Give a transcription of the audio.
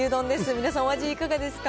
皆さん、お味いかがですか？